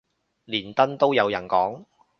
連登都有人講